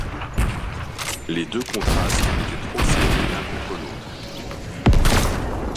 Les deux contrastes étaient trop serrés l’un contre l’autre.